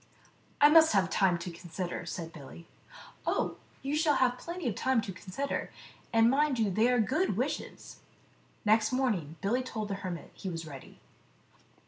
" I must have time to consider," said Billy. "Oh, you shall have plenty of time to consider,, and mind they are good wishes." Next morning Billy told the hermit he was ready.